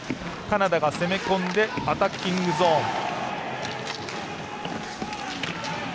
カナダが攻め込んでアタッキングゾーン。